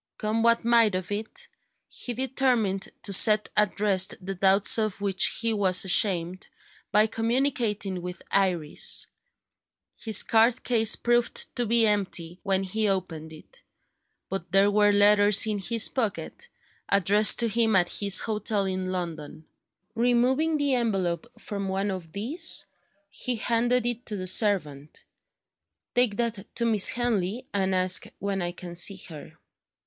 Come what might of it, he determined to set at rest the doubts of which he was ashamed, by communicating with Iris. His card case proved to be empty when he opened it; but there were letters in his pocket, addressed to him at his hotel in London. Removing the envelope from one of these, he handed it to the servant: "Take that to Miss Henley, and ask when I can see her."